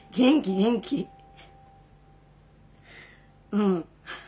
うん。